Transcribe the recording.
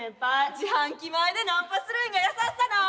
自販機前でナンパするんが優しさなん？